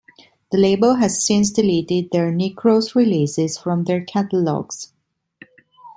The label has since deleted their Necros releases from their catalogue.